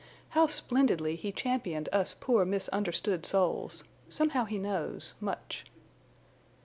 How splendidly he championed us poor misunderstood souls! Somehow he knows—much."